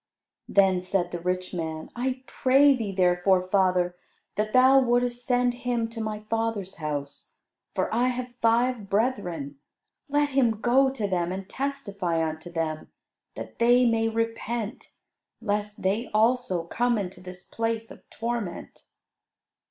Then said the rich man, "I pray thee therefore, father, that thou wouldest send him to my father's house; for I have five brethren. Let him go to them and testify unto them, that they may repent, lest they also come into this place of torment."